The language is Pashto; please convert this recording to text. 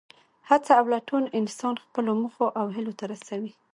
هڅه او لټون انسان خپلو موخو او هیلو ته رسوي.